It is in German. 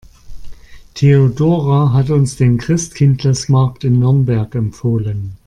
Theodora hat uns den Christkindlesmarkt in Nürnberg empfohlen.